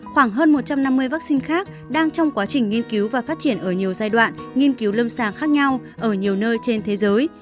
khoảng hơn một trăm năm mươi vaccine khác đang trong quá trình nghiên cứu và phát triển ở nhiều giai đoạn nghiên cứu lâm sàng khác nhau ở nhiều nơi trên thế giới